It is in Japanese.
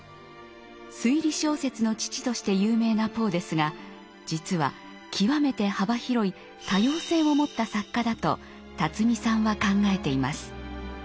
「推理小説の父」として有名なポーですが実は極めて幅広い多様性を持った作家だとさんは考えています。